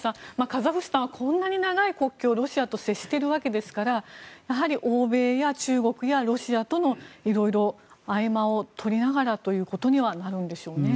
カザフスタンはこんなに長い国境をロシアと接しているわけですからやはり欧米や中国やロシアとの色々、合間を取りながらということにはなるんでしょうね。